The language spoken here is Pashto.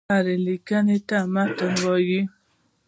هري ليکني ته متن وايي.